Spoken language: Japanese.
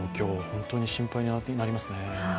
本当に心配になりますね。